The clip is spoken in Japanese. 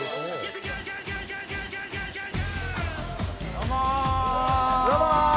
どうも！